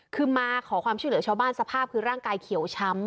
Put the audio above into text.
คือมาขอความช่วยเหลือชาวบ้านสภาพคือร่างกายเขียวช้ำ